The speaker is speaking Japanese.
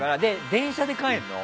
電車で帰るの。